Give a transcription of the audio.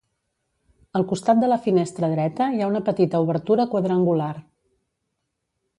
Al costat de la finestra dreta hi ha una petita obertura quadrangular.